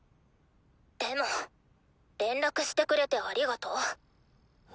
でも連絡してくれてありがと。